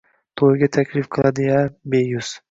Toʻyiga taklif qildi-ya, beyuz